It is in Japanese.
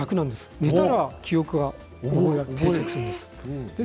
寝たら記憶が定着するんです。